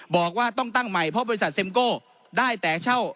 บอกว่าต้องตั้งใหม่เพราะบริษัทเซ็มโก้ได้แต่เช่า